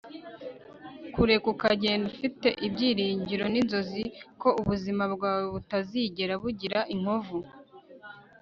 kureka ukagenda ufite ibyiringiro ninzozi ko ubuzima bwawe butazigera bugira inkovu